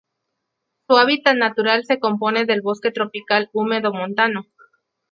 Su hábitat natural se compone de bosque tropical húmedo montano.